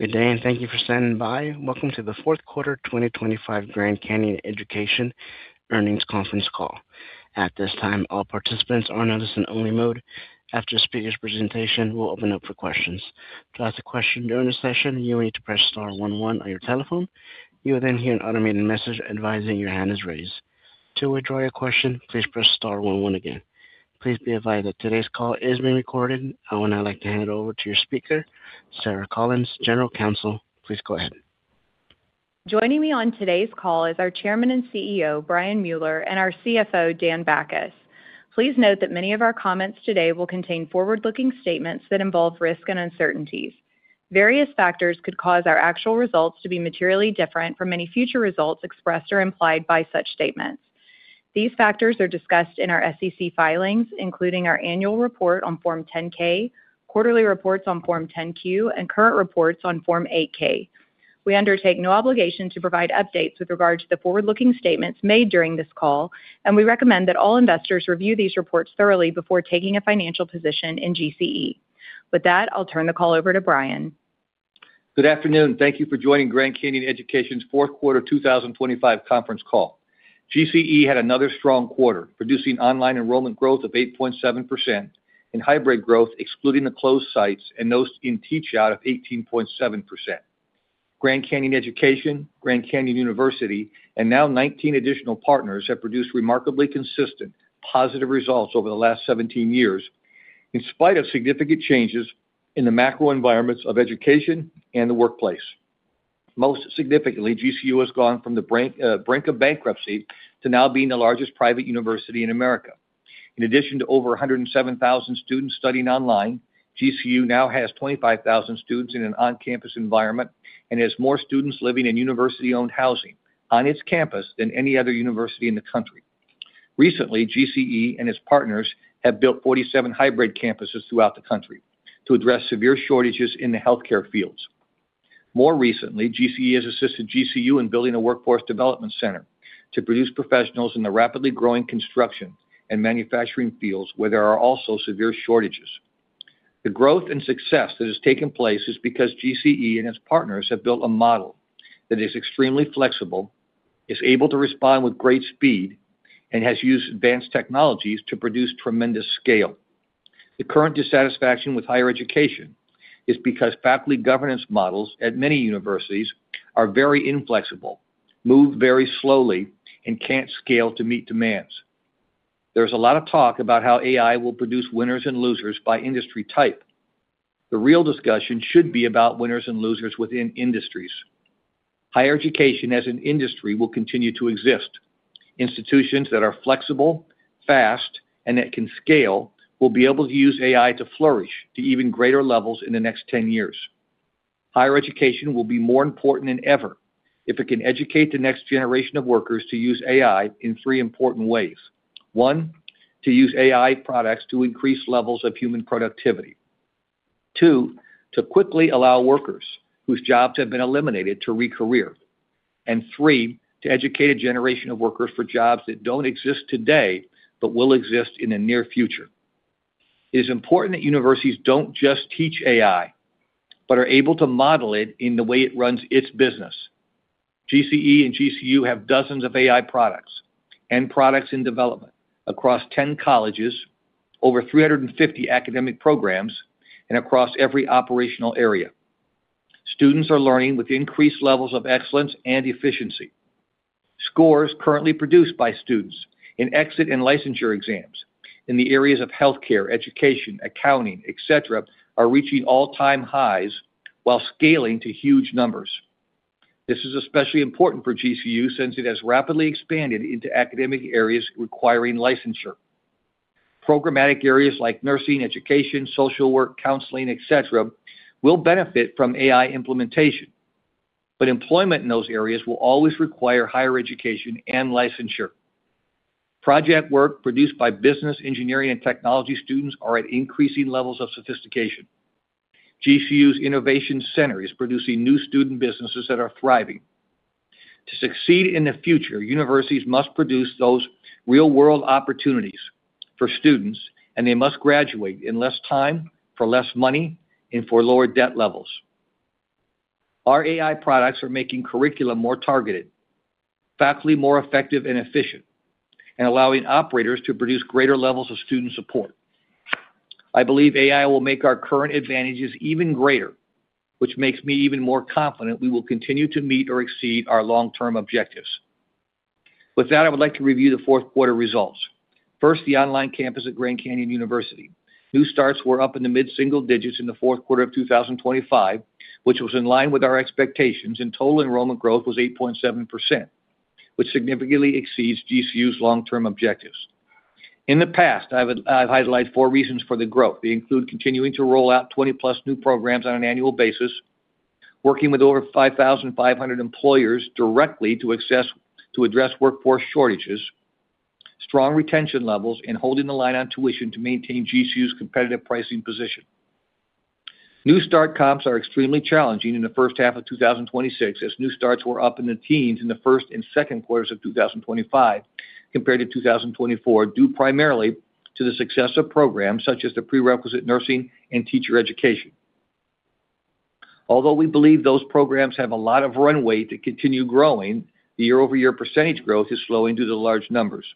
Good day, and thank you for standing by. Welcome to the Fourth Quarter 2025 Grand Canyon Education earnings conference call. At this time, all participants are on listen only mode. After the speaker's presentation, we'll open up for questions. To ask a question during the session, you will need to press star one one on your telephone. You will then hear an automated message advising your hand is raised. To withdraw your question, please press star one one again. Please be advised that today's call is being recorded. I would now like to hand it over to your speaker, Sarah Collins, General Counsel. Please go ahead. Joining me on today's call is our Chairman and CEO, Brian Mueller, and our CFO, Dan Bachus. Please note that many of our comments today will contain forward-looking statements that involve risk and uncertainties. Various factors could cause our actual results to be materially different from any future results expressed or implied by such statements. These factors are discussed in our SEC filings, including our annual report on Form 10-K, quarterly reports on Form 10-Q, and current reports on Form 8-K. We undertake no obligation to provide updates with regard to the forward-looking statements made during this call, and we recommend that all investors review these reports thoroughly before taking a financial position in GCE. With that, I'll turn the call over to Brian. Good afternoon, thank you for joining Grand Canyon Education's Fourth Quarter 2025 conference call. GCE had another strong quarter, producing online enrollment growth of 8.7% and hybrid growth, excluding the closed sites and those in teach out, of 18.7%. Grand Canyon Education, Grand Canyon University, and now 19 additional partners have produced remarkably consistent, positive results over the last 17 years, in spite of significant changes in the macro environments of education and the workplace. Most significantly, GCU has gone from the brink of bankruptcy to now being the largest private university in America. In addition to over 107,000 students studying online, GCU now has 25,000 students in an on-campus environment and has more students living in university-owned housing on its campus than any other university in the country. Recently, GCE and its partners have built 47 hybrid campuses throughout the country to address severe shortages in the healthcare fields. More recently, GCE has assisted GCU in building a workforce development center to produce professionals in the rapidly growing construction and manufacturing fields, where there are also severe shortages. The growth and success that has taken place is because GCE and its partners have built a model that is extremely flexible, is able to respond with great speed, and has used advanced technologies to produce tremendous scale. The current dissatisfaction with higher education is because faculty governance models at many universities are very inflexible, move very slowly, and can't scale to meet demands. There's a lot of talk about how AI will produce winners and losers by industry type. The real discussion should be about winners and losers within industries. Higher education as an industry will continue to exist. Institutions that are flexible, fast, and that can scale will be able to use AI to flourish to even greater levels in the next 10 years. Higher education will be more important than ever if it can educate the next generation of workers to use AI in three important ways. One, to use AI products to increase levels of human productivity. Two, to quickly allow workers whose jobs have been eliminated to re-career. And three, to educate a generation of workers for jobs that don't exist today, but will exist in the near future. It is important that universities don't just teach AI, but are able to model it in the way it runs its business. GCE and GCU have dozens of AI products and products in development across 10 colleges, over 350 academic programs, and across every operational area. Students are learning with increased levels of excellence and efficiency. Scores currently produced by students in exit and licensure exams in the areas of healthcare, education, accounting, et cetera, are reaching all-time highs while scaling to huge numbers. This is especially important for GCU since it has rapidly expanded into academic areas requiring licensure. Programmatic areas like nursing, education, social work, counseling, et cetera, will benefit from AI implementation, but employment in those areas will always require higher education and licensure. Project work produced by business, engineering, and technology students are at increasing levels of sophistication. GCU's innovation center is producing new student businesses that are thriving. To succeed in the future, universities must produce those real-world opportunities for students, and they must graduate in less time, for less money, and for lower debt levels. Our AI products are making curriculum more targeted, faculty more effective and efficient, and allowing operators to produce greater levels of student support. I believe AI will make our current advantages even greater, which makes me even more confident we will continue to meet or exceed our long-term objectives. With that, I would like to review the fourth quarter results. First, the online campus at Grand Canyon University. New starts were up in the mid-single digits in the fourth quarter of 2025, which was in line with our expectations, and total enrollment growth was 8.7%, which significantly exceeds GCU's long-term objectives. In the past, I've highlighted four reasons for the growth. They include continuing to roll out 20+ new programs on an annual basis, working with over 5,500 employers directly to access... to address workforce shortages, strong retention levels, and holding the line on tuition to maintain GCU's competitive pricing position. New start comps are extremely challenging in the first half of 2026, as new starts were up in the teens in the first and second quarters of 2025... compared to 2024, due primarily to the success of programs such as the prerequisite nursing and teacher education. Although we believe those programs have a lot of runway to continue growing, the year-over-year percentage growth is slowing due to the large numbers.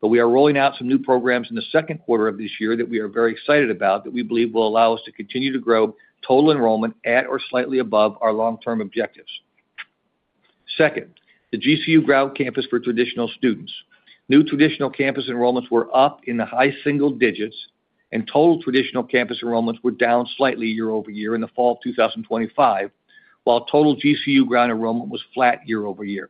But we are rolling out some new programs in the second quarter of this year that we are very excited about, that we believe will allow us to continue to grow total enrollment at or slightly above our long-term objectives. Second, the GCU ground campus for traditional students. New traditional campus enrollments were up in the high single digits, and total traditional campus enrollments were down slightly year-over-year in the fall of 2025, while total GCU ground enrollment was flat year-over-year.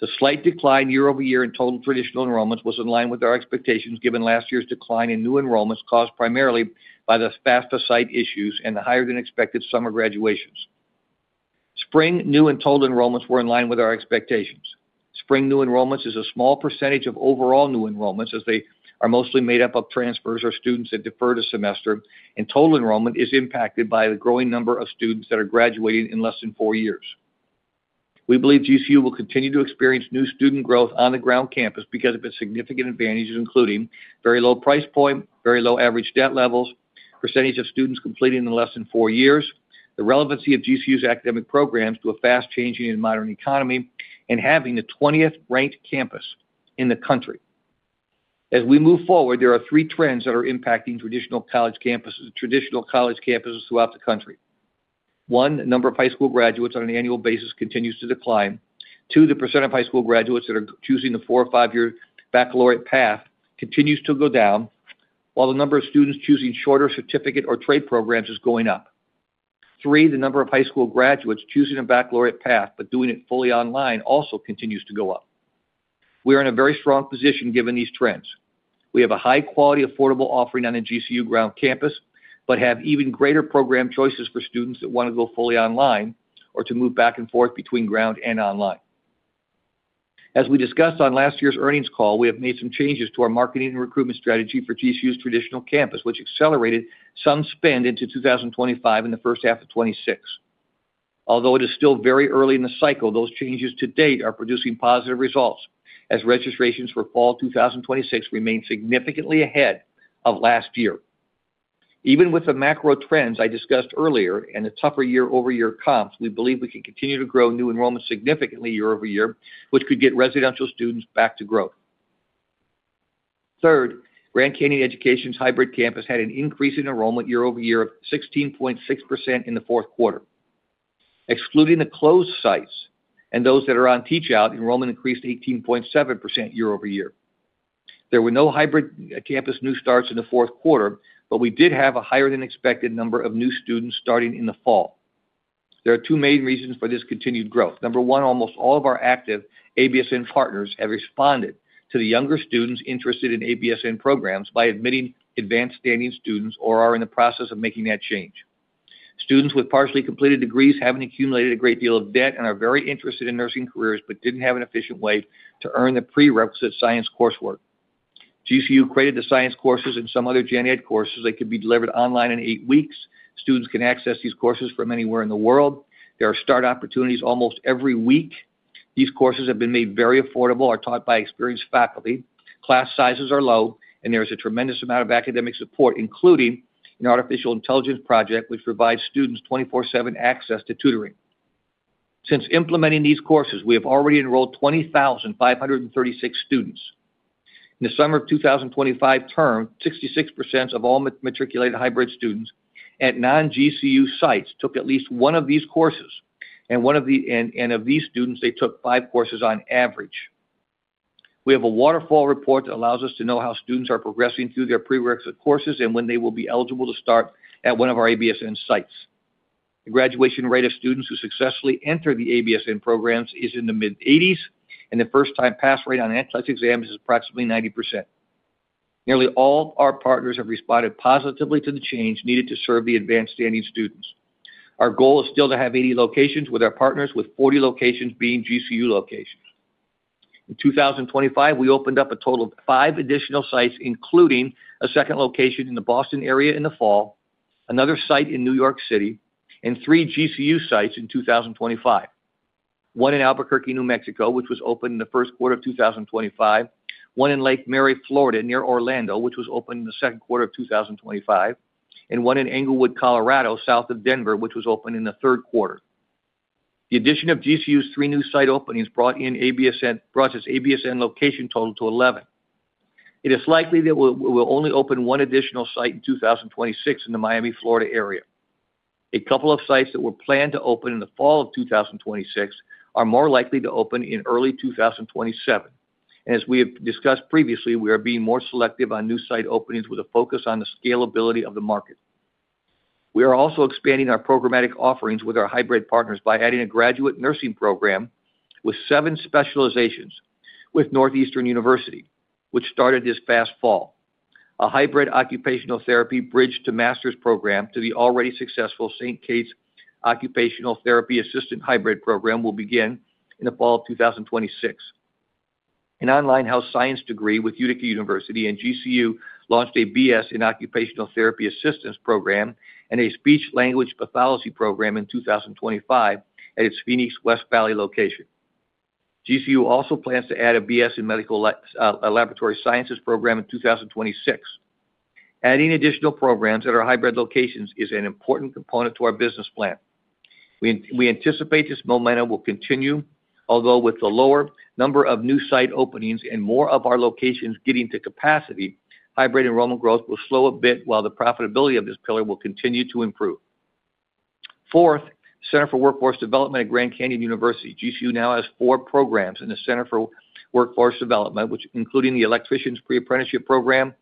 The slight decline year-over-year in total traditional enrollments was in line with our expectations, given last year's decline in new enrollments, caused primarily by the FAFSA site issues and the higher than expected summer graduations. Spring new and total enrollments were in line with our expectations. Spring new enrollments is a small percentage of overall new enrollments, as they are mostly made up of transfers or students that deferred a semester, and total enrollment is impacted by the growing number of students that are graduating in less than four years. We believe GCU will continue to experience new student growth on the ground campus because of its significant advantages, including very low price point, very low average debt levels, percentage of students completing in less than four years, the relevancy of GCU's academic programs to a fast-changing and modern economy, and having the twentieth-ranked campus in the country. As we move forward, there are three trends that are impacting traditional college campuses, traditional college campuses throughout the country. One, the number of high school graduates on an annual basis continues to decline. Two, the percent of high school graduates that are choosing the four or five-year baccalaureate path continues to go down, while the number of students choosing shorter certificate or trade programs is going up. Three, the number of high school graduates choosing a baccalaureate path but doing it fully online also continues to go up. We are in a very strong position given these trends. We have a high-quality, affordable offering on a GCU ground campus, but have even greater program choices for students that want to go fully online or to move back and forth between ground and online. As we discussed on last year's earnings call, we have made some changes to our marketing and recruitment strategy for GCU's traditional campus, which accelerated some spend into 2025 in the first half of 2026. Although it is still very early in the cycle, those changes to date are producing positive results, as registrations for fall 2026 remain significantly ahead of last year. Even with the macro trends I discussed earlier and the tougher year-over-year comps, we believe we can continue to grow new enrollments significantly year-over-year, which could get residential students back to growth. Third, Grand Canyon Education's hybrid campus had an increase in enrollment year-over-year of 16.6% in the fourth quarter. Excluding the closed sites and those that are on teach out, enrollment increased 18.7% year-over-year. There were no hybrid campus new starts in the fourth quarter, but we did have a higher than expected number of new students starting in the fall. There are two main reasons for this continued growth. Number one, almost all of our active ABSN partners have responded to the younger students interested in ABSN programs by admitting advanced-standing students or are in the process of making that change. Students with partially completed degrees haven't accumulated a great deal of debt and are very interested in nursing careers, but didn't have an efficient way to earn the prerequisite science coursework. GCU created the science courses and some other gen ed courses that could be delivered online in eight weeks. Students can access these courses from anywhere in the world. There are start opportunities almost every week. These courses have been made very affordable, are taught by experienced faculty. Class sizes are low, and there is a tremendous amount of academic support, including an artificial intelligence project, which provides students 24/7 access to tutoring. Since implementing these courses, we have already enrolled 20,536 students. In the summer of 2025 term, 66% of all matriculated hybrid students at non-GCU sites took at least one of these courses, and of these students, they took five courses on average. We have a waterfall report that allows us to know how students are progressing through their prerequisite courses and when they will be eligible to start at one of our ABSN sites. The graduation rate of students who successfully enter the ABSN programs is in the mid-80s%, and the first-time pass rate on NCLEX exams is approximately 90%. Nearly all our partners have responded positively to the change needed to serve the advanced-standing students. Our goal is still to have 80 locations with our partners, with 40 locations being GCU locations. In 2025, we opened up a total of five additional sites, including a second location in the Boston area in the fall, another site in New York City, and three GCU sites in 2025: one in Albuquerque, New Mexico, which was opened in the first quarter of 2025, one in Lake Mary, Florida, near Orlando, which was opened in the second quarter of 2025, and one in Englewood, Colorado, south of Denver, which was opened in the third quarter. The addition of GCU's three new site openings brought its ABSN location total to 11. It is likely that we'll, we will only open one additional site in 2026 in the Miami, Florida, area. A couple of sites that were planned to open in the fall of 2026 are more likely to open in early 2027. As we have discussed previously, we are being more selective on new site openings with a focus on the scalability of the market. We are also expanding our programmatic offerings with our hybrid partners by adding a graduate nursing program with seven specializations with Northeastern University, which started this past fall. A hybrid Occupational Therapy Bridge to master's program to the already successful St. Kate's Occupational Therapy Assistant hybrid program will begin in the fall of 2026. An online health science degree with Utica University, and GCU launched a BS in Occupational Therapy Assistance program and a Speech-Language Pathology program in 2025 at its Phoenix West Valley location.... GCU also plans to add a BS in Medical Laboratory Sciences program in 2026. Adding additional programs at our hybrid locations is an important component to our business plan. We anticipate this momentum will continue, although with the lower number of new site openings and more of our locations getting to capacity, hybrid enrollment growth will slow a bit while the profitability of this pillar will continue to improve. Fourth, Center for Workforce Development at Grand Canyon University. GCU now has four programs in the Center for Workforce Development, which including the Electricians Pre-Apprenticeship Program,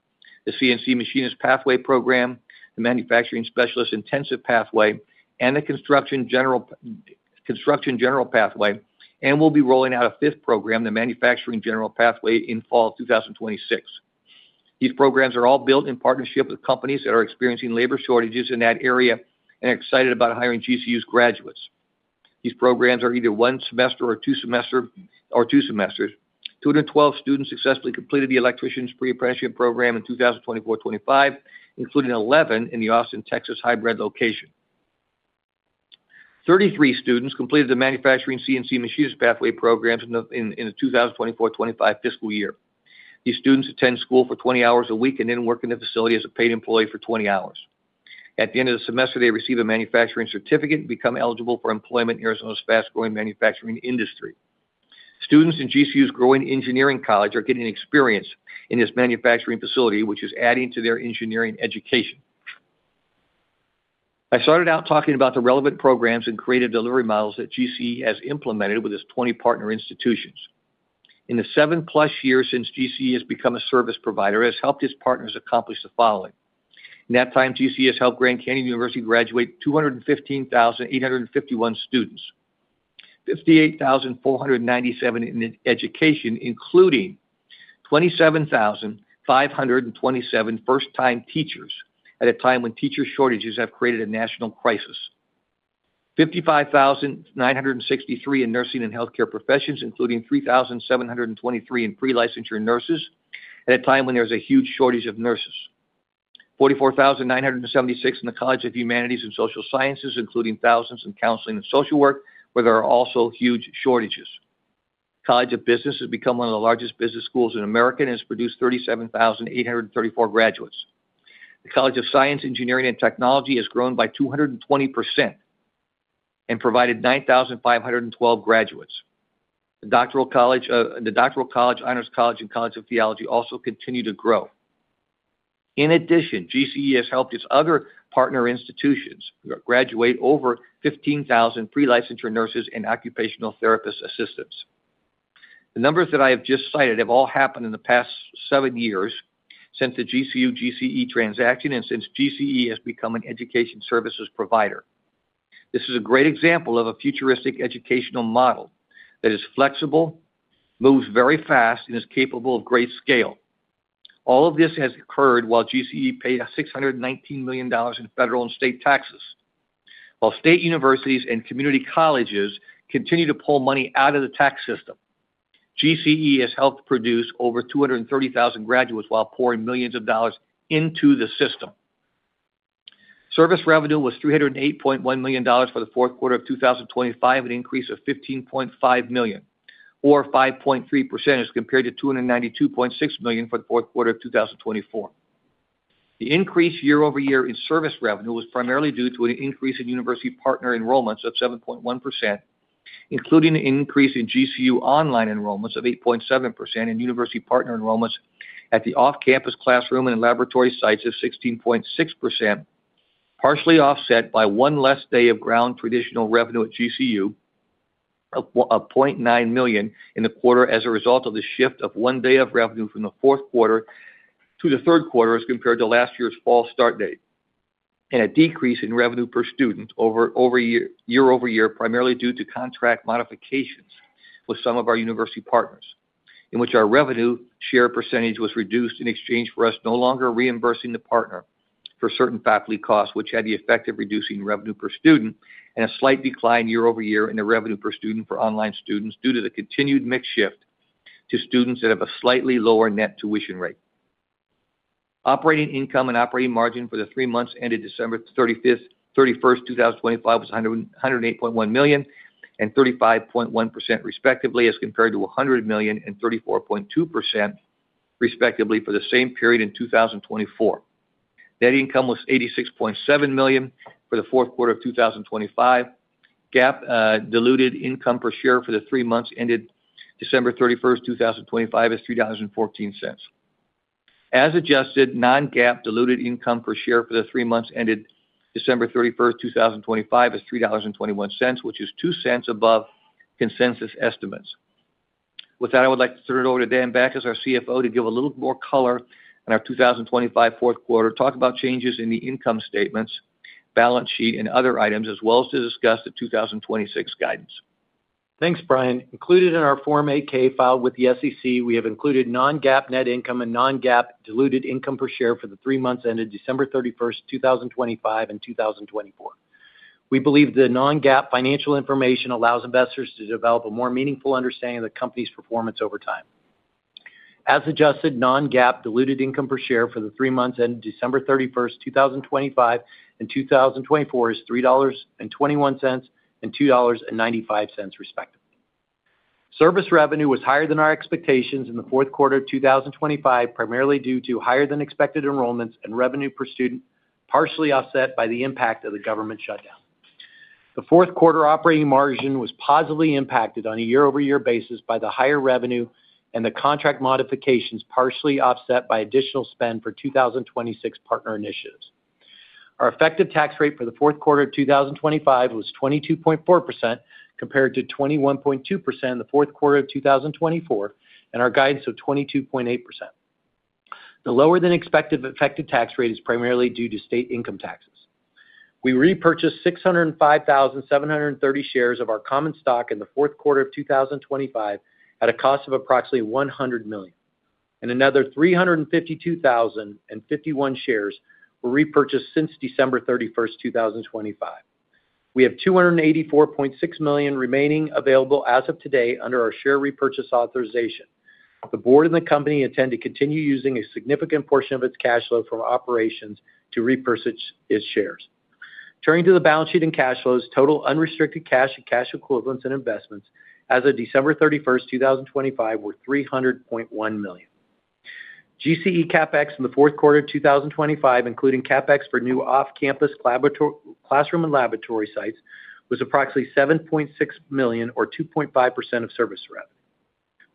the CNC Machinist Pathway Program, the Manufacturing Specialist Intensive Pathway, and the Construction General Pathway, and we'll be rolling out a fifth program, the Manufacturing General Pathway, in fall 2026. These programs are all built in partnership with companies that are experiencing labor shortages in that area and are excited about hiring GCU's graduates. These programs are either one semester or two semesters. 212 students successfully completed the Electricians Pre-Apprenticeship Program in 2024-2025, including 11 in the Austin, Texas, hybrid location. 33 students completed the Manufacturing CNC Machinist Pathway Programs in the 2024-2025 fiscal year. These students attend school for 20 hours a week and then work in the facility as a paid employee for 20 hours. At the end of the semester, they receive a manufacturing certificate and become eligible for employment in Arizona's fast-growing manufacturing industry. Students in GCU's growing engineering college are getting experience in this manufacturing facility, which is adding to their engineering education. I started out talking about the relevant programs and creative delivery models that GCE has implemented with its 20 partner institutions. In the seven plus years since GCE has become a service provider, it has helped its partners accomplish the following: In that time, GCE has helped Grand Canyon University graduate 215,851 students. 58,497 in education, including 27,527 first-time teachers, at a time when teacher shortages have created a national crisis. 55,963 in nursing and healthcare professions, including 3,723 in pre-licensure nurses, at a time when there's a huge shortage of nurses. 44,976 in the College of Humanities and Social Sciences, including thousands in counseling and social work, where there are also huge shortages. College of Business has become one of the largest business schools in America and has produced 37,834 graduates. The College of Science, Engineering, and Technology has grown by 220% and provided 9,512 graduates. The Doctoral College, the Doctoral College, Honors College, and College of Theology also continue to grow. In addition, GCE has helped its other partner institutions graduate over 15,000 Pre-licensure Nurses and Occupational Therapist Assistants. The numbers that I have just cited have all happened in the past seven years since the GCU GCE transaction and since GCE has become an education services provider. This is a great example of a futuristic educational model that is flexible, moves very fast, and is capable of great scale. All of this has occurred while GCE paid $619 million in federal and state taxes. While state universities and community colleges continue to pull money out of the tax system, GCE has helped produce over 230,000 graduates while pouring millions of dollars into the system. Service revenue was $308.1 million for the fourth quarter of 2025, an increase of $15.5 million, or 5.3% as compared to $292.6 million for the fourth quarter of 2024. The increase year over year in service revenue was primarily due to an increase in university partner enrollments of 7.1%, including an increase in GCU online enrollments of 8.7% and university partner enrollments at the off-campus classroom and laboratory sites of 16.6%, partially offset by one less day of ground traditional revenue at GCU, of $0.9 million in the quarter as a result of the shift of one day of revenue from the fourth quarter to the third quarter as compared to last year's fall start date. A decrease in revenue per student year-over-year, primarily due to contract modifications with some of our university partners, in which our revenue share percentage was reduced in exchange for us no longer reimbursing the partner for certain faculty costs, which had the effect of reducing revenue per student, and a slight decline year-over-year in the revenue per student for online students due to the continued mix shift to students that have a slightly lower net tuition rate. Operating income and operating margin for the three months ended December thirty-first, 2025, was $108.1 million and 35.1%, respectively, as compared to $100 million and 34.2%, respectively, for the same period in 2024. Net income was $86.7 million for the fourth quarter of 2025. GAAP diluted income per share for the three months ended December 31, 2025, is $3.14. As adjusted, non-GAAP diluted income per share for the three months ended December 31, 2025, is $3.21, which is 2 cents above consensus estimates. With that, I would like to turn it over to Dan Bachus, our CFO, to give a little more color on our 2025 fourth quarter, talk about changes in the income statements, balance sheet, and other items, as well as to discuss the 2026 guidance. Thanks, Brian. Included in our Form 8-K filed with the SEC, we have included non-GAAP net income and non-GAAP diluted income per share for the three months ended December 31, 2025 and 2024. We believe the non-GAAP financial information allows investors to develop a more meaningful understanding of the company's performance over time. As adjusted, non-GAAP diluted income per share for the three months ended December 31, 2025 and 2024 is $3.21 and $2.95, respectively. Service revenue was higher than our expectations in the fourth quarter of 2025, primarily due to higher than expected enrollments and revenue per student, partially offset by the impact of the government shutdown. The fourth quarter operating margin was positively impacted on a year-over-year basis by the higher revenue and the contract modifications, partially offset by additional spend for 2026 partner initiatives. Our effective tax rate for the fourth quarter of 2025 was 22.4%, compared to 21.2% in the fourth quarter of 2024, and our guidance of 22.8%. The lower than expected effective tax rate is primarily due to state income taxes. We repurchased 605,730 shares of our common stock in the fourth quarter of 2025 at a cost of approximately $100 million, and another 352,051 shares were repurchased since December 31, 2025. We have $284.6 million remaining available as of today under our share repurchase authorization. The board and the company intend to continue using a significant portion of its cash flow from operations to repurchase its shares. Turning to the balance sheet and cash flows, total unrestricted cash and cash equivalents and investments as of December 31, 2025, were $300.1 million. GCE CapEx in the fourth quarter of 2025, including CapEx for new off-campus laboratory classroom and laboratory sites, was approximately $7.6 million, or 2.5% of service rep.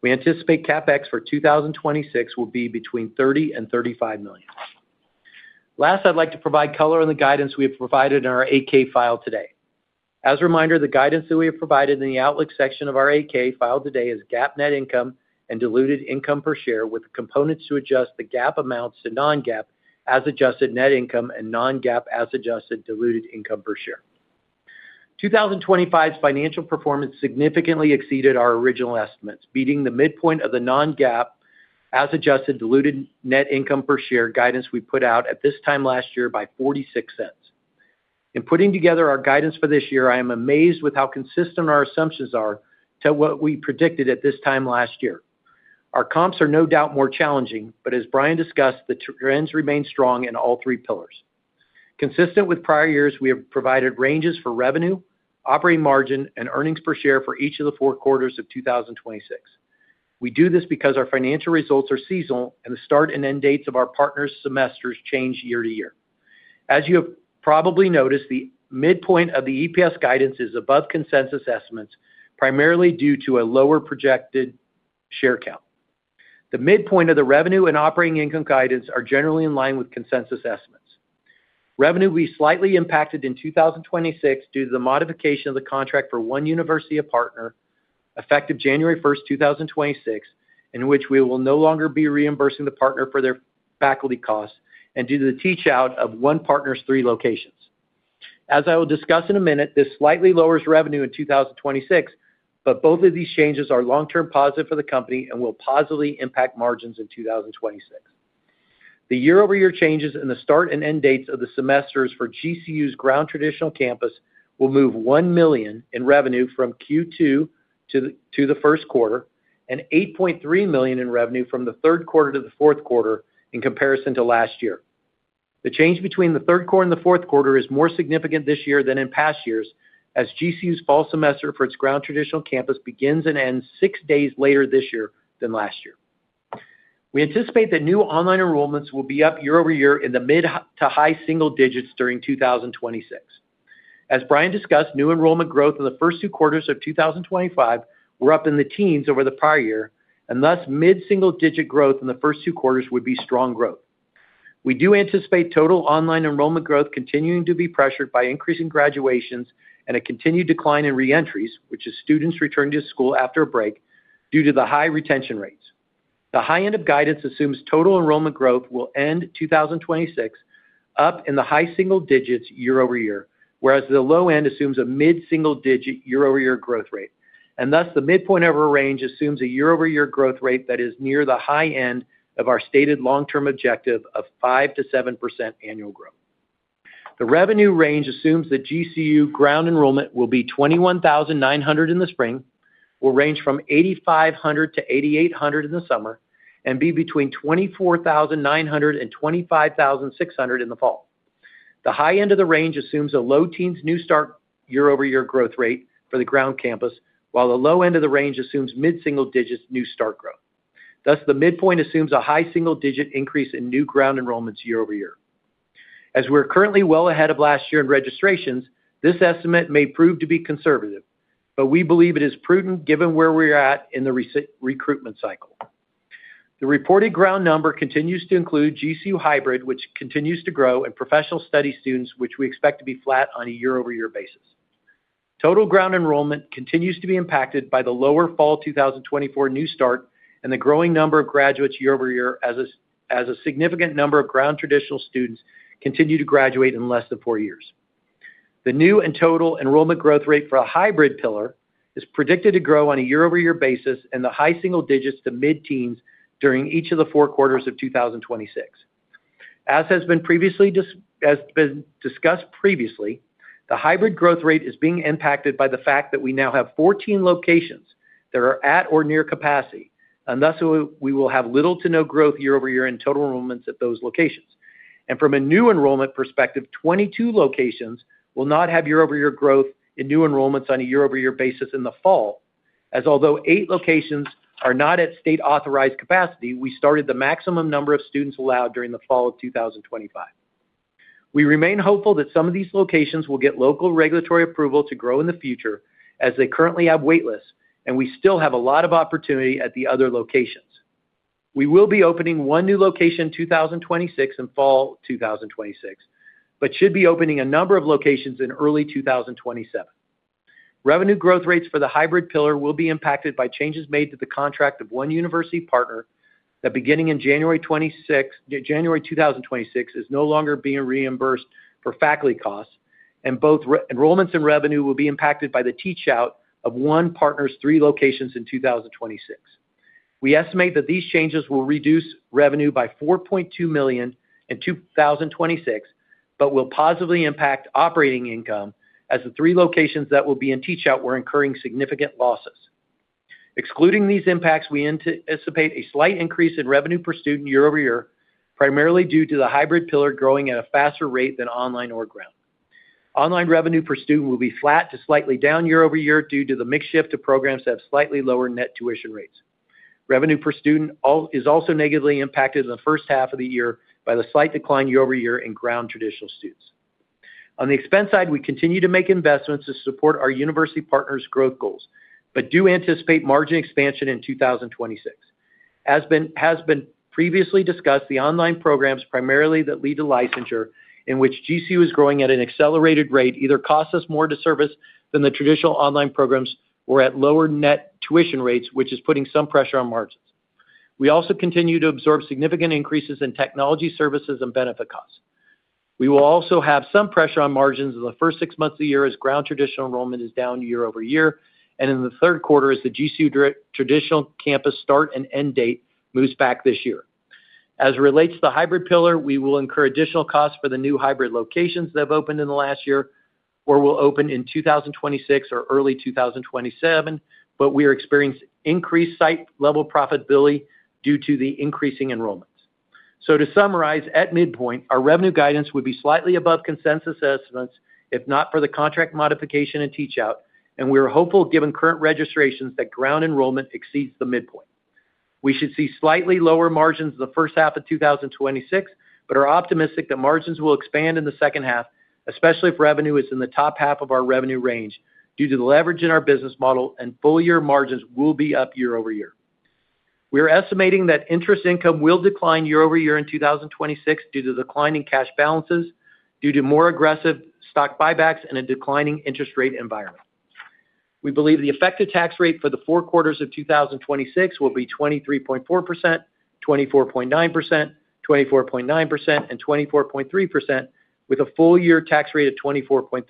We anticipate CapEx for 2026 will be between $30 million-$35 million. Last, I'd like to provide color on the guidance we have provided in our 8-K file today. As a reminder, the guidance that we have provided in the outlook section of our 8-K filed today is GAAP net income and diluted income per share, with components to adjust the GAAP amounts to non-GAAP as adjusted net income and non-GAAP as adjusted diluted income per share. 2025's financial performance significantly exceeded our original estimates, beating the midpoint of the non-GAAP as Adjusted Diluted Net Income per share guidance we put out at this time last year by $0.46. In putting together our guidance for this year, I am amazed with how consistent our assumptions are to what we predicted at this time last year. Our comps are no doubt more challenging, but as Brian discussed, the trends remain strong in all three pillars. Consistent with prior years, we have provided ranges for revenue, operating margin, and earnings per share for each of the four quarters of 2026. We do this because our financial results are seasonal, and the start and end dates of our partners' semesters change year to year. As you have probably noticed, the midpoint of the EPS guidance is above consensus estimates, primarily due to a lower projected share count. The midpoint of the revenue and operating income guidance are generally in line with consensus estimates. Revenue will be slightly impacted in 2026 due to the modification of the contract for one university, a partner, effective January 1, 2026, in which we will no longer be reimbursing the partner for their faculty costs and due to the teach out of one partner's three locations. As I will discuss in a minute, this slightly lowers revenue in 2026, but both of these changes are long-term positive for the company and will positively impact margins in 2026. The year-over-year changes in the start and end dates of the semesters for GCU's ground traditional campus will move $1 million in revenue from Q2 to the first quarter, and $8.3 million in revenue from the third quarter to the fourth quarter in comparison to last year. The change between the third quarter and the fourth quarter is more significant this year than in past years, as GCU's fall semester for its ground traditional campus begins and ends six days later this year than last year. We anticipate that new online enrollments will be up year-over-year in the mid- to high-single digits during 2026. As Brian discussed, new enrollment growth in the first two quarters of 2025 were up in the teens over the prior year, and thus, mid-single digit growth in the first two quarters would be strong growth. We do anticipate total online enrollment growth continuing to be pressured by increasing graduations and a continued decline in reentries, which is students returning to school after a break, due to the high retention rates. The high end of guidance assumes total enrollment growth will end 2026, up in the high single digits year-over-year, whereas the low end assumes a mid-single digit year-over-year growth rate. And thus, the midpoint of our range assumes a year-over-year growth rate that is near the high end of our stated long-term objective of 5%-7% annual growth. The revenue range assumes that GCU ground enrollment will be 21,900 in the spring, will range from 8,500-8,800 in the summer, and be between 24,900 and 25,600 in the fall. The high end of the range assumes a low teens new start year-over-year growth rate for the ground campus, while the low end of the range assumes mid-single digits new start growth. Thus, the midpoint assumes a high single-digit increase in new ground enrollments year-over-year. As we're currently well ahead of last year in registrations, this estimate may prove to be conservative, but we believe it is prudent given where we're at in the recruitment cycle. The reported ground number continues to include GCU hybrid, which continues to grow, and professional study students, which we expect to be flat on a year-over-year basis. Total ground enrollment continues to be impacted by the lower fall 2024 new start and the growing number of graduates year over year as a significant number of ground traditional students continue to graduate in less than four years. The new and total enrollment growth rate for a hybrid pillar is predicted to grow on a year-over-year basis in the high single digits to mid-teens during each of the four quarters of 2026. As has been discussed previously, the hybrid growth rate is being impacted by the fact that we now have 14 locations that are at or near capacity, and thus we will have little to no growth year over year in total enrollments at those locations. From a new enrollment perspective, 22 locations will not have year-over-year growth in new enrollments on a year-over-year basis in the fall, as although eight locations are not at state-authorized capacity, we started the maximum number of students allowed during the fall of 2025. We remain hopeful that some of these locations will get local regulatory approval to grow in the future, as they currently have waitlists, and we still have a lot of opportunity at the other locations. We will be opening one new location in 2026 and fall 2026, but should be opening a number of locations in early 2027. Revenue growth rates for the hybrid pillar will be impacted by changes made to the contract of one university partner, that beginning in January 2026, is no longer being reimbursed for faculty costs, and both re-enrollments and revenue will be impacted by the teach out of one partner's three locations in 2026. We estimate that these changes will reduce revenue by $4.2 million in 2026, but will positively impact operating income, as the three locations that will be in teach out were incurring significant losses. Excluding these impacts, we anticipate a slight increase in revenue per student year-over-year, primarily due to the hybrid pillar growing at a faster rate than online or ground. Online revenue per student will be flat to slightly down year-over-year due to the mix shift of programs that have slightly lower net tuition rates. Revenue per student is also negatively impacted in the first half of the year by the slight decline year-over-year in ground traditional students. On the expense side, we continue to make investments to support our university partners' growth goals, but do anticipate margin expansion in 2026. Has been previously discussed, the online programs, primarily that lead to licensure, in which GCU is growing at an accelerated rate, either cost us more to service than the traditional online programs or at lower net tuition rates, which is putting some pressure on margins. We also continue to absorb significant increases in technology services and benefit costs. We will also have some pressure on margins in the first six months of the year as ground traditional enrollment is down year-over-year, and in the third quarter, as the GCU traditional campus start and end date moves back this year. As it relates to the hybrid pillar, we will incur additional costs for the new hybrid locations that have opened in the last year or will open in 2026 or early 2027, but we are experiencing increased site-level profitability due to the increasing enrollments. So to summarize, at midpoint, our revenue guidance would be slightly above consensus estimates, if not for the contract modification and teach out, and we are hopeful, given current registrations, that ground enrollment exceeds the midpoint. We should see slightly lower margins in the first half of 2026, but are optimistic that margins will expand in the second half, especially if revenue is in the top half of our revenue range due to the leverage in our business model and full year margins will be up year over year. We are estimating that interest income will decline year over year in 2026 due to declining cash balances, due to more aggressive stock buybacks and a declining interest rate environment. We believe the effective tax rate for the four quarters of 2026 will be 23.4%, 24.9%, 24.9%, and 24.3%, with a full year tax rate of 24.3%.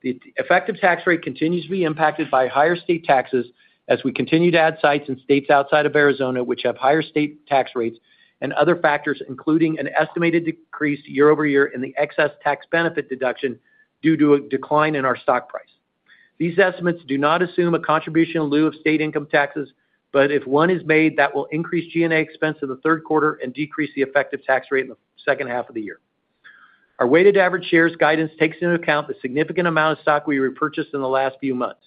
The effective tax rate continues to be impacted by higher state taxes as we continue to add sites in states outside of Arizona, which have higher state tax rates and other factors, including an estimated decrease year-over-year in the excess tax benefit deduction due to a decline in our stock price. These estimates do not assume a contribution in lieu of state income taxes, but if one is made, that will increase G&A expense in the third quarter and decrease the effective tax rate in the second half of the year. Our weighted average shares guidance takes into account the significant amount of stock we repurchased in the last few months.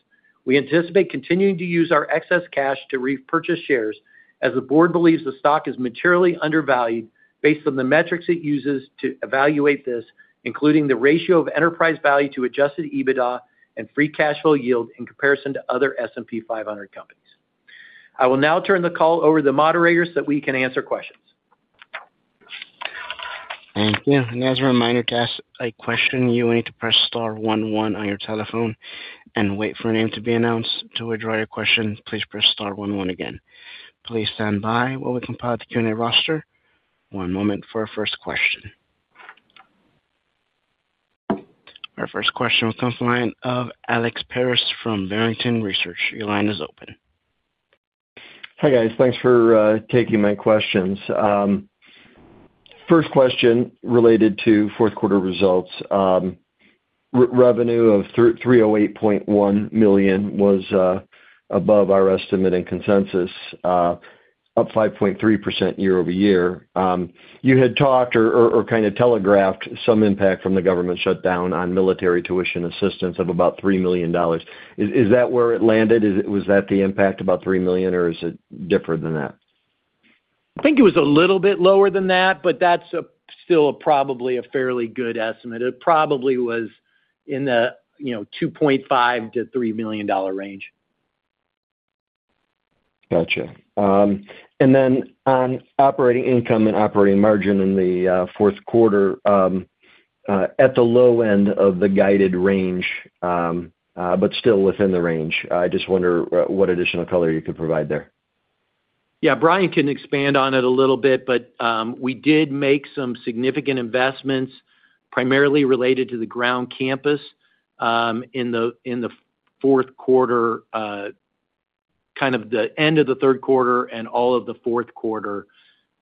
We anticipate continuing to use our excess cash to repurchase shares, as the board believes the stock is materially undervalued based on the metrics it uses to evaluate this, including the ratio of enterprise value to Adjusted EBITDA and free cash flow yield in comparison to other S&P 500 companies. I will now turn the call over to the moderator, so that we can answer questions. Thank you. And as a reminder, to ask a question, you will need to press star one one on your telephone and wait for a name to be announced. To withdraw your question, please press star one one again. Please stand by while we compile the Q&A roster. One moment for our first question. Our first question comes from the line of Alex Paris from Barrington Research. Your line is open. Hi, guys. Thanks for taking my questions. First question related to fourth quarter results. Revenue of $308.1 million was above our estimate and consensus, up 5.3% year-over-year. You had talked or, or, kind of telegraphed some impact from the government shutdown on military tuition assistance of about $3 million. Is that where it landed? Is it, was that the impact, about $3 million, or is it different than that? I think it was a little bit lower than that, but that's still a probably a fairly good estimate. It probably was in the, you know, $2.5 million-$3 million range. Gotcha. And then on operating income and operating margin in the fourth quarter, at the low end of the guided range, but still within the range. I just wonder what additional color you could provide there? Yeah, Brian can expand on it a little bit, but we did make some significant investments, primarily related to the ground campus, in the fourth quarter.... kind of the end of the third quarter and all of the fourth quarter.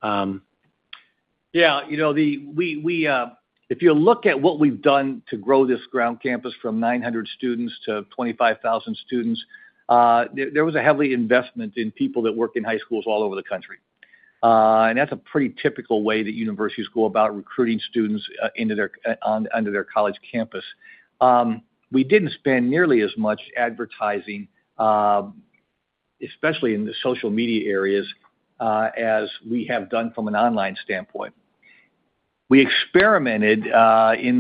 Yeah, you know, if you look at what we've done to grow this ground campus from 900 students to 25,000 students, there was a heavy investment in people that work in high schools all over the country. And that's a pretty typical way that universities go about recruiting students onto their college campus. We didn't spend nearly as much advertising, especially in the social media areas, as we have done from an online standpoint. We experimented in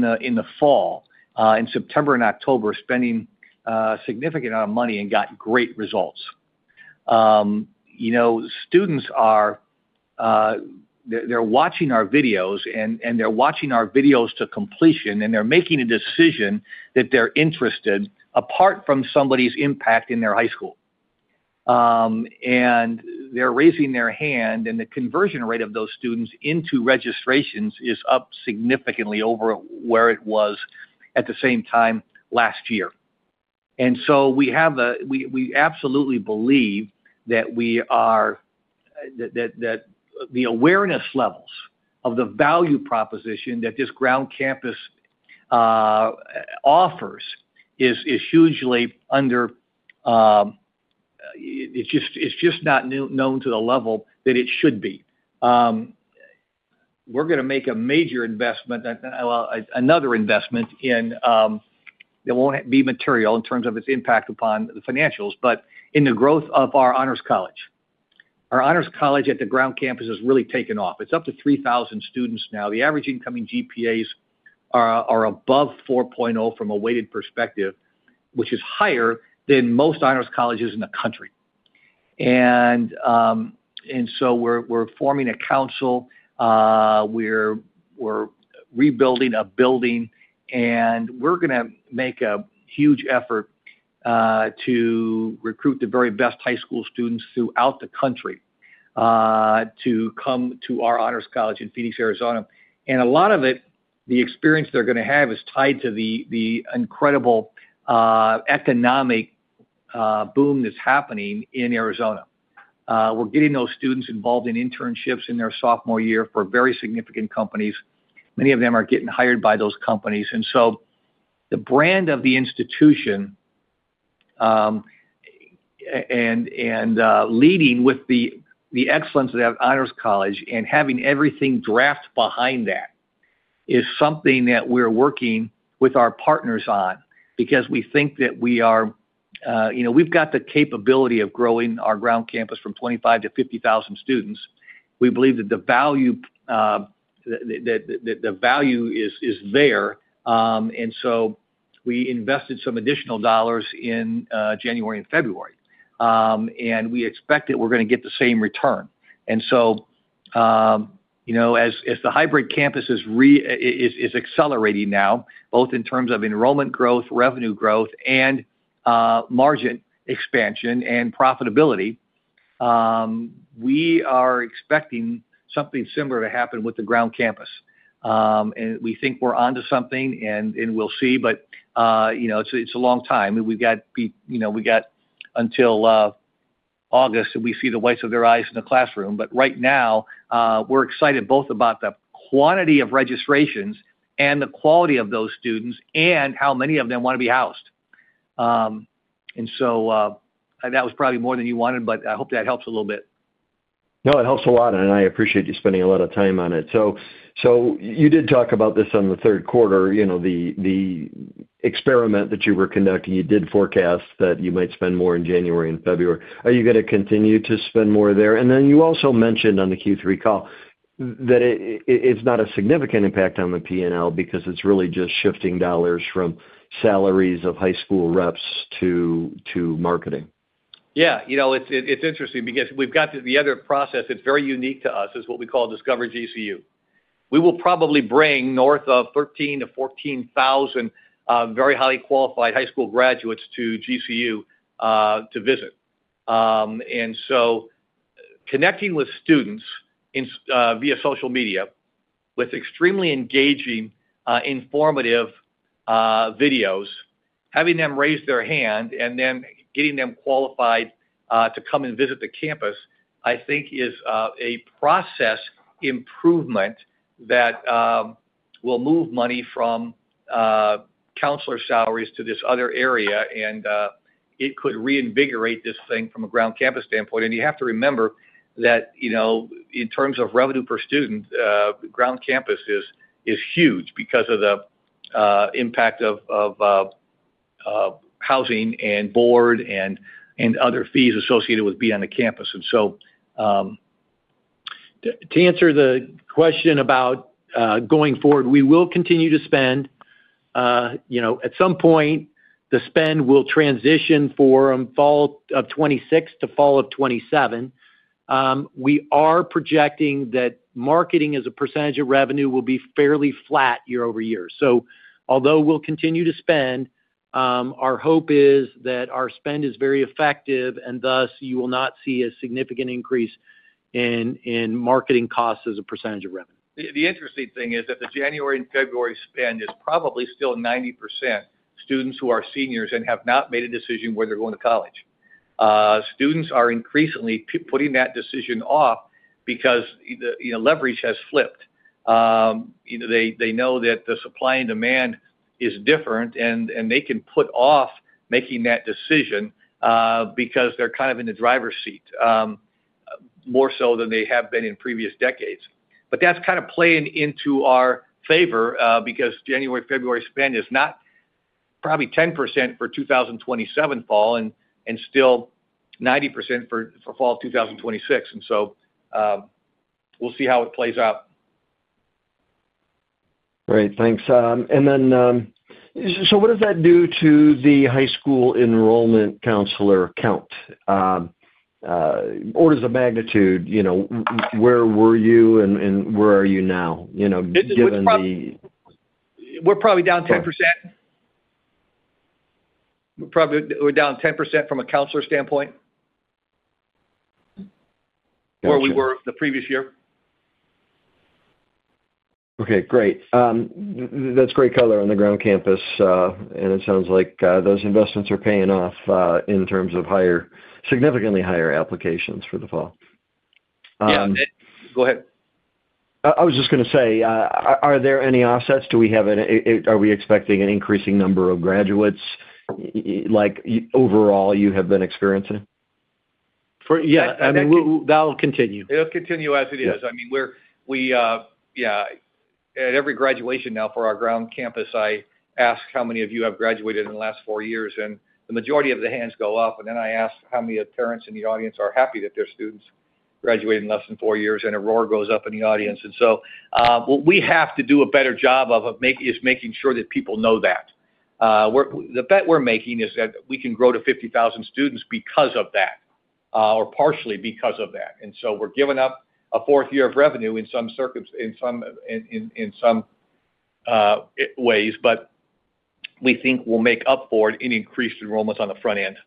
the fall, in September and October, spending a significant amount of money and got great results. You know, students are, they're, they're watching our videos, and they're watching our videos to completion, and they're making a decision that they're interested, apart from somebody's impact in their high school. You know, they're raising their hand, and the conversion rate of those students into registrations is up significantly over where it was at the same time last year. We absolutely believe that we are, that the awareness levels of the value proposition that this ground campus offers is, is hugely under, it's just not known to the level that it should be. We're gonna make a major investment, well, another investment in, it won't be material in terms of its impact upon the financials, but in the growth of our honors college. Our honors college at the ground campus has really taken off. It's up to 3,000 students now. The average incoming GPAs are above 4.0 from a weighted perspective, which is higher than most honors colleges in the country. We're forming a council, we're rebuilding a building, and we're gonna make a huge effort to recruit the very best high school students throughout the country to come to our honors college in Phoenix, Arizona. A lot of it, the experience they're gonna have, is tied to the incredible economic boom that's happening in Arizona. We're getting those students involved in internships in their sophomore year for very significant companies. Many of them are getting hired by those companies. And so the brand of the institution, and leading with the excellence of that honors college and having everything draft behind that, is something that we're working with our partners on because we think that we are... You know, we've got the capability of growing our ground campus from 25-50,000 students. We believe that the value is there, and so we invested some additional dollars in January and February. And we expect that we're gonna get the same return. And so, you know, as the hybrid campus is accelerating now, both in terms of enrollment growth, revenue growth, and margin expansion and profitability, we are expecting something similar to happen with the ground campus. And we think we're onto something, and we'll see, but you know, it's a long time, and you know, we got until August, until we see the whites of their eyes in the classroom. But right now, we're excited both about the quantity of registrations and the quality of those students, and how many of them want to be housed. And so, that was probably more than you wanted, but I hope that helps a little bit. No, it helps a lot, and I appreciate you spending a lot of time on it. So you did talk about this on the third quarter, you know, the experiment that you were conducting, you did forecast that you might spend more in January and February. Are you gonna continue to spend more there? And then you also mentioned on the Q3 call, that it's not a significant impact on the P&L because it's really just shifting dollars from salaries of high school reps to marketing. Yeah, you know, it's, it's interesting because we've got the other process that's very unique to us, is what we call Discover GCU. We will probably bring north of 13-14 thousand very highly qualified high school graduates to GCU to visit. And so connecting with students via social media, with extremely engaging informative videos, having them raise their hand and then getting them qualified to come and visit the campus, I think is a process improvement that will move money from counselor salaries to this other area, and it could reinvigorate this thing from a ground campus standpoint. And you have to remember that, you know, in terms of revenue per student, ground campus is huge because of the impact of housing and board and other fees associated with being on the campus. And so, to answer the question about going forward, we will continue to spend. You know, at some point, the spend will transition from fall of 2026 to fall of 2027. We are projecting that marketing, as a percentage of revenue, will be fairly flat year-over-year. So although we'll continue to spend, our hope is that our spend is very effective, and thus, you will not see a significant increase in marketing costs as a percentage of revenue. The interesting thing is that the January and February spend is probably still 90% students who are seniors and have not made a decision where they're going to college. Students are increasingly putting that decision off because either, you know, leverage has flipped. Either they know that the supply and demand is different, and they can put off making that decision because they're kind of in the driver's seat more so than they have been in previous decades. But that's kind of playing into our favor because January February spend is not probably 10% for 2027 fall and still 90% for fall 2026. And so, we'll see how it plays out. Great, thanks. And then, so what does that do to the high school enrollment counselor count? Orders of magnitude, you know, where were you and where are you now? You know, given the- We're probably down 10%. We're probably down 10% from a counselor standpoint. Got you. where we were the previous year. Okay, great. That's great color on the ground campus, and it sounds like those investments are paying off in terms of significantly higher applications for the fall, Yeah. Go ahead. I was just gonna say, are there any offsets? Do we have an. Are we expecting an increasing number of graduates, like, overall, you have been experiencing? Yeah, I mean- That will continue. It'll continue as it is. Yeah. I mean, we're- we... Yeah, at every graduation now for our ground campus, I ask how many of you have graduated in the last four years, and the majority of the hands go up. I ask how many of the parents in the audience are happy that their students graduate in less than four years, and a roar goes up in the audience. What we have to do a better job of is making sure that people know that. We're-- the bet we're making is that we can grow to 50,000 students because of that, or partially because of that. We're giving up a fourth year of revenue in some circum- in some, in, in, in some ways, but we think we'll make up for it in increased enrollments on the front end.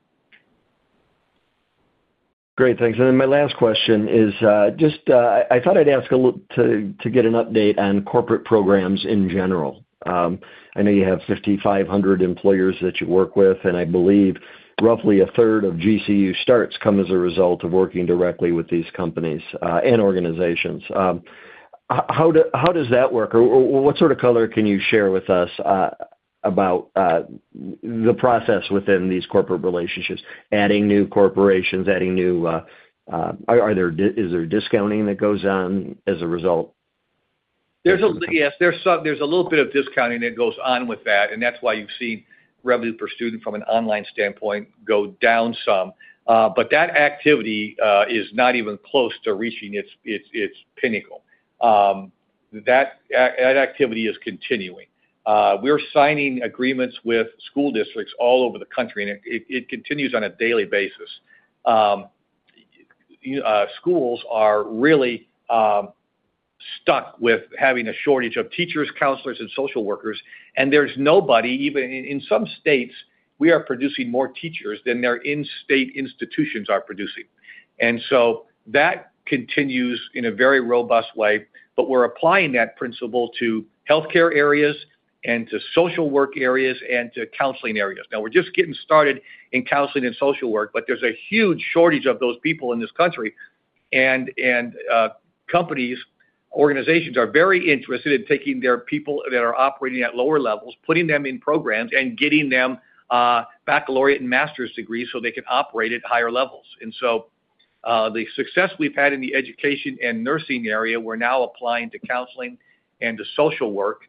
Great, thanks. Then my last question is, just, I thought I'd ask a little, to get an update on corporate programs in general. I know you have 5,500 employers that you work with, and I believe roughly a third of GCU starts come as a result of working directly with these companies, and organizations. How does that work? Or, what sort of color can you share with us, about the process within these corporate relationships, adding new corporations, adding new... Is there a discounting that goes on as a result? Yes, there's a little bit of discounting that goes on with that, and that's why you've seen revenue per student from an online standpoint go down some. But that activity is not even close to reaching its pinnacle. That activity is continuing. We're signing agreements with school districts all over the country, and it continues on a daily basis. Schools are really stuck with having a shortage of teachers, counselors, and social workers, and there's nobody, even in some states, we are producing more teachers than their in-state institutions are producing. And so that continues in a very robust way, but we're applying that principle to healthcare areas and to social work areas and to counseling areas. Now, we're just getting started in counseling and social work, but there's a huge shortage of those people in this country, and companies, organizations are very interested in taking their people that are operating at lower levels, putting them in programs, and getting them baccalaureate and master's degrees so they can operate at higher levels. And so, the success we've had in the education and nursing area, we're now applying to counseling and to social work.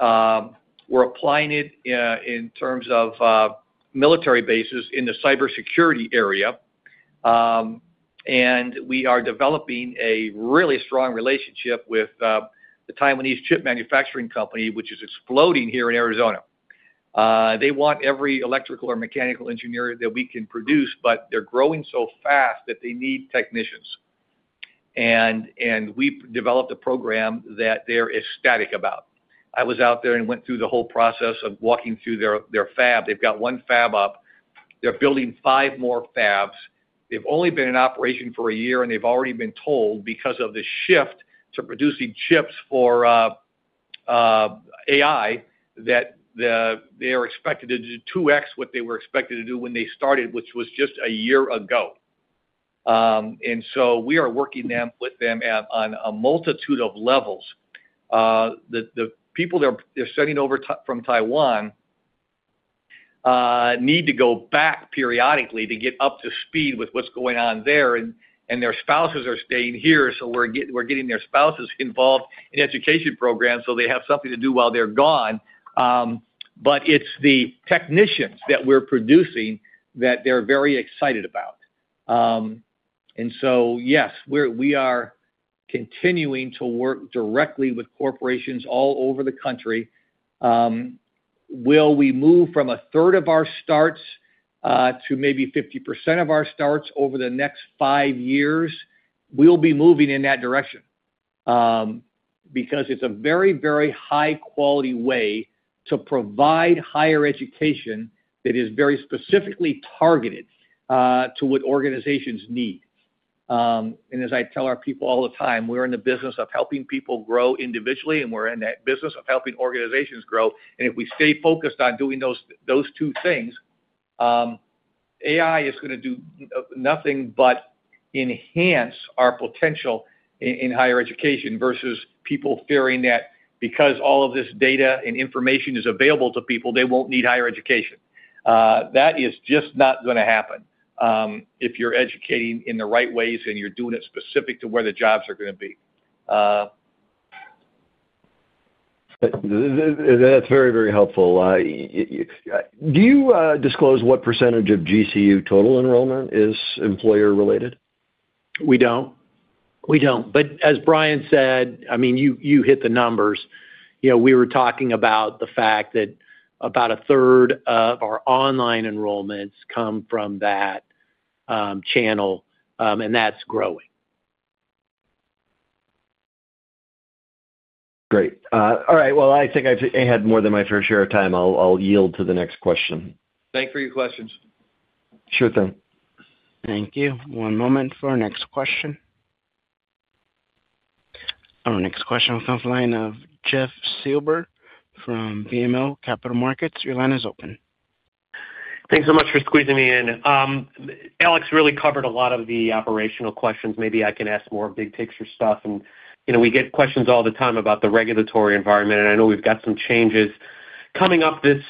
We're applying it in terms of military bases in the cybersecurity area. And we are developing a really strong relationship with the Taiwanese Chip Manufacturing Company, which is exploding here in Arizona. They want every Electrical or Mechanical Engineer that we can produce, but they're growing so fast that they need technicians. And we've developed a program that they're ecstatic about. I was out there and went through the whole process of walking through their fab. They've got one fab up. They're building five more fabs. They've only been in operation for a year, and they've already been told, because of the shift to producing chips for AI, that they are expected to do 2x what they were expected to do when they started, which was just a year ago. And so we are working with them on a multitude of levels. The people they're sending over from Taiwan need to go back periodically to get up to speed with what's going on there, and their spouses are staying here, so we're getting their spouses involved in education programs, so they have something to do while they're gone. But it's the technicians that we're producing that they're very excited about. And so, yes, we are continuing to work directly with corporations all over the country. Will we move from a third of our starts to maybe 50% of our starts over the next five years? We'll be moving in that direction, because it's a very, very high-quality way to provide higher education that is very specifically targeted to what organizations need. And as I tell our people all the time, we're in the business of helping people grow individually, and we're in that business of helping organizations grow. If we stay focused on doing those two things, AI is gonna do nothing but enhance our potential in higher education, versus people fearing that because all of this data and information is available to people, they won't need higher education. That is just not gonna happen if you're educating in the right ways, and you're doing it specific to where the jobs are gonna be. That's very, very helpful. Do you disclose what percentage of GCU total enrollment is employer-related? We don't. We don't. But as Brian said, I mean, you, you hit the numbers. You know, we were talking about the fact that about a third of our online enrollments come from that channel, and that's growing. Great. All right. Well, I think I've had more than my fair share of time. I'll, I'll yield to the next question. Thank you for your questions. Sure thing. Thank you. One moment for our next question. Our next question comes from the line of Jeff Silber from BMO Capital Markets. Your line is open. Thanks so much for squeezing me in. Alex really covered a lot of the operational questions. Maybe I can ask more big picture stuff. You know, we get questions all the time about the regulatory environment, and I know we've got some changes coming up this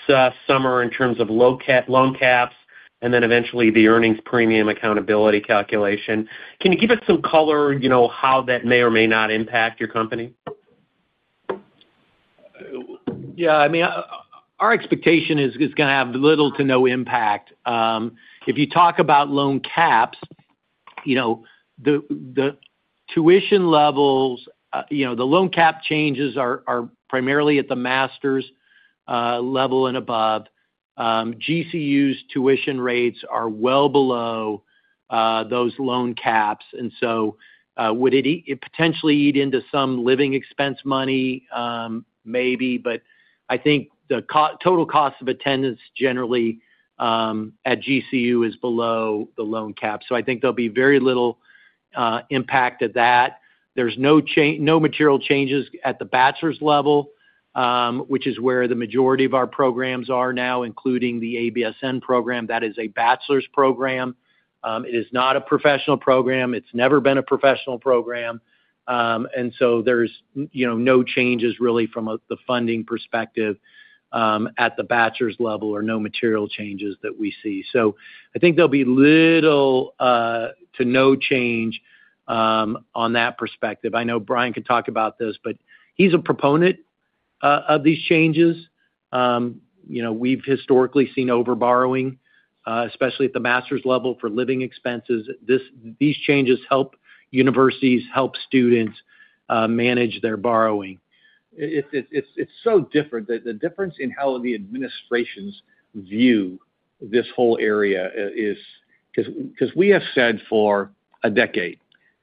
summer in terms of loan caps, and then eventually the earnings premium accountability calculation. Can you give us some color, you know, how that may or may not impact your company? Yeah, I mean, our expectation is gonna have little to no impact. If you talk about loan caps, you know, the tuition levels, you know, the loan cap changes are primarily at the master's level and above. GCU's tuition rates are well below those loan caps, and so, would it potentially eat into some living expense money? Maybe, but I think the total cost of attendance, generally, at GCU is below the loan cap. So I think there'll be very little impact to that. There's no material changes at the bachelor's level, which is where the majority of our programs are now, including the ABSN program. That is a bachelor's program. It is not a professional program. It's never been a professional program. And so there's, you know, no changes really from the funding perspective at the bachelor's level or no material changes that we see. So I think there'll be little to no change on that perspective. I know Brian can talk about this, but he's a proponent of these changes. You know, we've historically seen overborrowing, especially at the master's level, for living expenses. These changes help universities, help students, manage their borrowing. It's so different. The difference in how the administration's views this whole area is 'cause we have said for a decade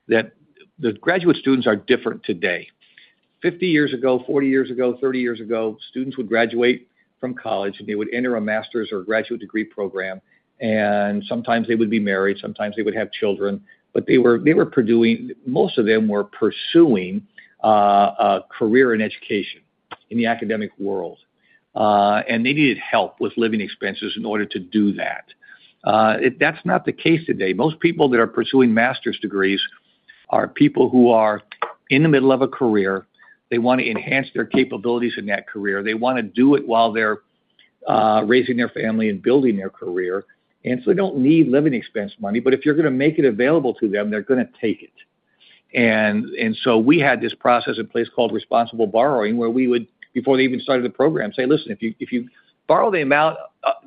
that the graduate students are different today. 50 years ago, 40 years ago, 30 years ago, students would graduate from college, and they would enter a master's or graduate degree program, and sometimes they would be married, sometimes they would have children, but most of them were pursuing a career in education in the academic world, and they needed help with living expenses in order to do that. That's not the case today. Most people that are pursuing master's degrees are people who are in the middle of a career. They want to enhance their capabilities in that career. They wanna do it while they're raising their family and building their career, and so they don't need living expense money. But if you're gonna make it available to them, they're gonna take it. And so we had this process in place called Responsible Borrowing, where we would, before they even started the program, say: Listen, if you borrow the amount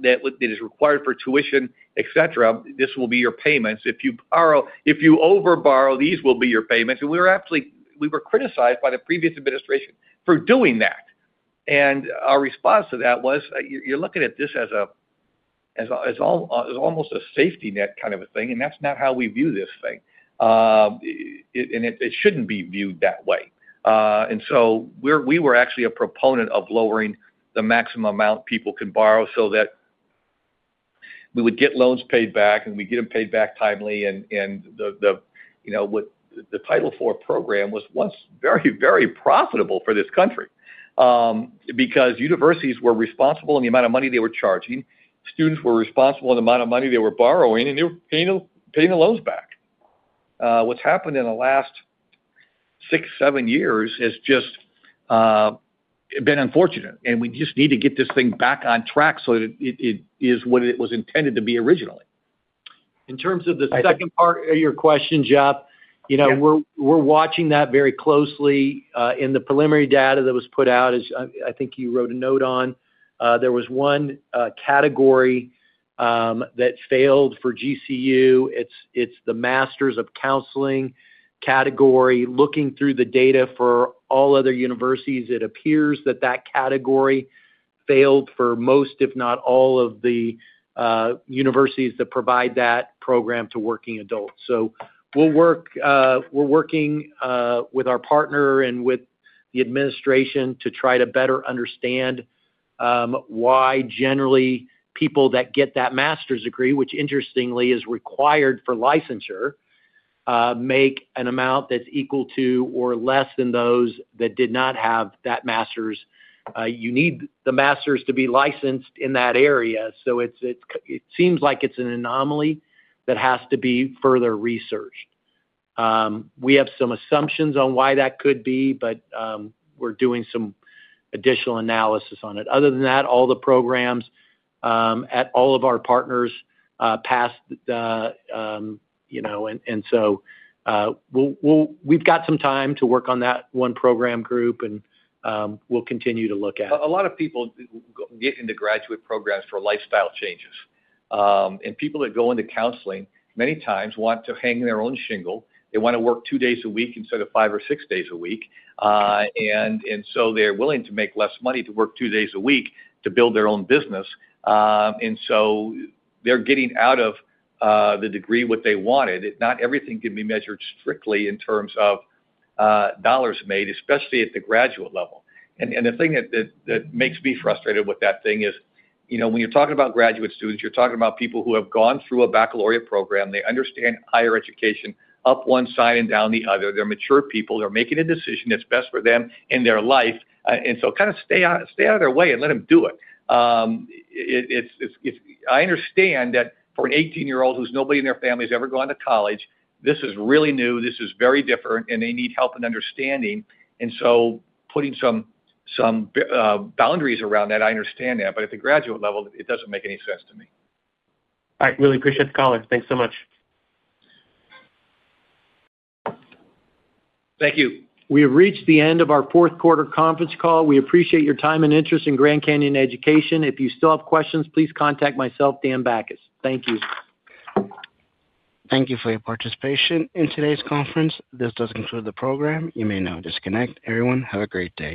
that is required for tuition, et cetera, this will be your payments. If you borrow if you overborrow, these will be your payments. And we were actually we were criticized by the previous administration for doing that. And our response to that was, "You're looking at this as almost a safety net kind of a thing, and that's not how we view this thing." And it shouldn't be viewed that way. And so we were actually a proponent of lowering the maximum amount people could borrow so that we would get loans paid back, and we'd get them paid back timely. The Title IV program was once very, very profitable for this country, because universities were responsible in the amount of money they were charging, students were responsible in the amount of money they were borrowing, and they were paying the loans back. What's happened in the last six, seven years has just been unfortunate, and we just need to get this thing back on track so that it is what it was intended to be originally. In terms of the second part of your question, Jeff, you know- Yeah... we're watching that very closely. In the preliminary data that was put out, as I think you wrote a note on, there was one category that failed for GCU. It's the Masters of Counseling category. Looking through the data for all other universities, it appears that that category failed for most, if not all, of the universities that provide that program to working adults. So we're working with our partner and with the administration to try to better understand... why generally people that get that master's degree, which interestingly is required for licensure, make an amount that's equal to or less than those that did not have that master's. You need the master's to be licensed in that area, so it seems like it's an anomaly that has to be further researched. We have some assumptions on why that could be, but we're doing some additional analysis on it. Other than that, all the programs at all of our partners passed the... You know, and so we'll. We've got some time to work on that one program group, and we'll continue to look at it. A lot of people get into graduate programs for lifestyle changes. And people that go into counseling, many times want to hang their own shingle. They wanna work two days a week instead of five or six days a week. And so they're willing to make less money to work two days a week to build their own business. And so they're getting out of the degree what they wanted. Not everything can be measured strictly in terms of dollars made, especially at the graduate level. And the thing that makes me frustrated with that thing is, you know, when you're talking about graduate students, you're talking about people who have gone through a baccalaureate program. They understand higher education up one side and down the other. They're mature people. They're making a decision that's best for them in their life. Kind of stay out, stay out of their way and let them do it. It's, it's... I understand that for an 18-year-old whose nobody in their family has ever gone to college, this is really new, this is very different, and they need help and understanding. Putting some, some boundaries around that, I understand that, but at the graduate level, it doesn't make any sense to me. I really appreciate the call. Thanks so much. Thank you. We have reached the end of our fourth quarter conference call. We appreciate your time and interest in Grand Canyon Education. If you still have questions, please contact myself, Dan Bachus. Thank you. Thank you for your participation in today's conference. This does conclude the program. You may now disconnect. Everyone, have a great day.